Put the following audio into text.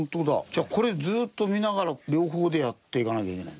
じゃあこれずっと見ながら両方でやっていかなきゃいけないんですね。